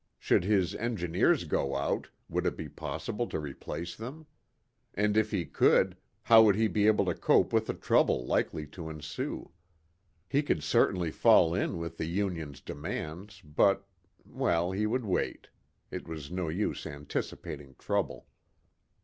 Should his engineers go out, would it be possible to replace them? And if he could, how would he be able to cope with the trouble likely to ensue? He could certainly fall in with the Union's demands, but well, he would wait. It was no use anticipating trouble.